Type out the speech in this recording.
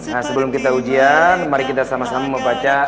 nah sebelum kita ujian mari kita sama sama membaca